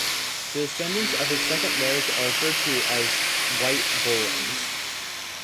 The descendants of his second marriage are referred to as "White Bollings".